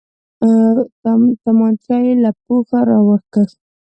تمانچه يې له پوښه راوکښ.